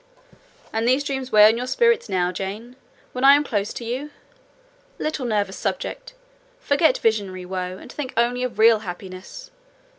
"And these dreams weigh on your spirits now, Jane, when I am close to you? Little nervous subject! Forget visionary woe, and think only of real happiness!